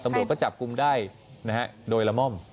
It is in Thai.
ตำรวจก็จับกลุ่มได้โดยละม่อม